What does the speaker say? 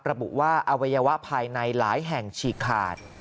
ระบุว่าอวัยวะภายในหลายแห่งฉีกขาด